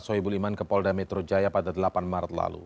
soebul iman ke polda metro jaya pada delapan maret lalu